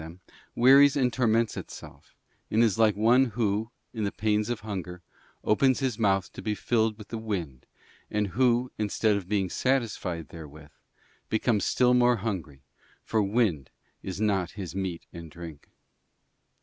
That soul which seeks to satisfy them wearies and torments itself, and is like one who, in the pains of hunger, opens his mouth to be filled with the wind, and who, instead of being satisfied therewith, becomes still more hungry, for wind is not his meat and drink.